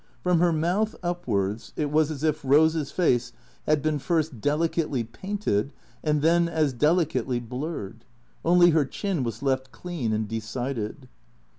From her mouth upwards it was as if Eose's face had been first delicately painted, and then as delicately blurred. Only her chin was left clean and decided.